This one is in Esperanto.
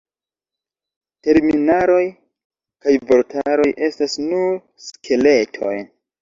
Terminaroj kaj vortaroj estas nur skeletoj.